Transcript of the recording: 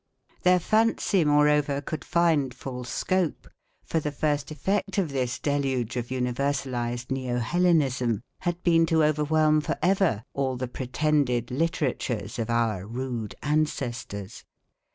Their fancy, moreover, could find full scope, for the first effect of this deluge of universalised neo Hellenism had been to overwhelm for ever all the pretended literatures of our rude ancestors.